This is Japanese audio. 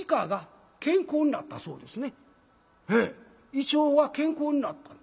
胃腸は健康になった。